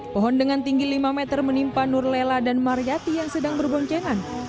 pohon dengan tinggi lima meter menimpa nurlela dan maryati yang sedang berboncenan